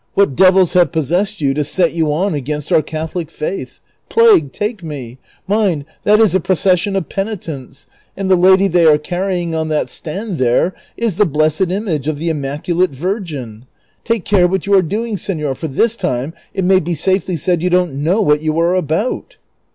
What devils have possessed you to set you on against our Catholic faith ? Plague take nie ! mind, that is a proces sion of penitents, and the lady they are carrying on that stand there is the blessed image of the immaculate Virgin. Take care Avhat you are doing, senor, for this time it may be safely said you don't know Avhat you are about."